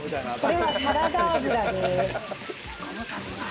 これはサラダ油です。